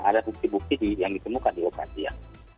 ada bukti bukti yang ditemukan di lokasi ya